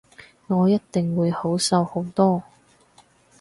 我一定會好受好多